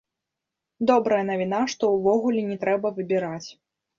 Добрая навіна, што ўвогуле не трэба выбіраць.